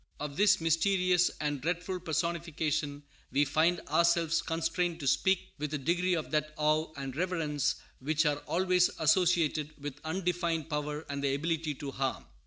Of this mysterious and dreadful personification we find ourselves constrained to speak with a degree of that awe and reverence which are always associated with undefined power and the ability to harm.